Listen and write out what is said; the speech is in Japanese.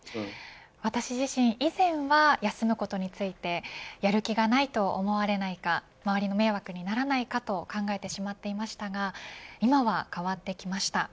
私自身以前は休むことについてやる気がないと思われないか周りの迷惑にならないかと考えてしまっていましたが今は変わってきました。